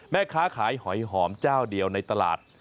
แม่ค้าขายหอยหอมเจ้าเดียวในตลาด